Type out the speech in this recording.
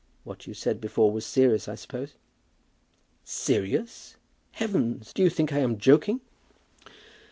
What you said before was serious, I suppose?" "Serious! Heavens! do you think that I am joking?"